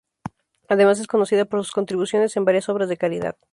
Además es conocida por sus contribuciones en varias obras de caridad.